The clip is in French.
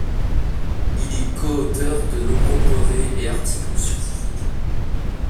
Il est coauteur de nombreux brevets et articles scientifiques.